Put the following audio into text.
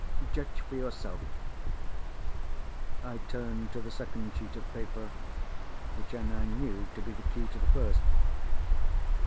Judge for yourself." I turned to the second sheet of paper, which I now knew to be the key to the first.